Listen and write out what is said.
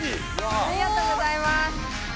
ありがとうございます。